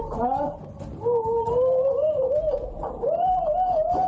ข้างบนนี้เหรอ